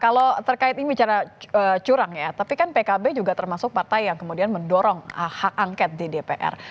kalau terkait ini bicara curang ya tapi kan pkb juga termasuk partai yang kemudian mendorong hak angket di dpr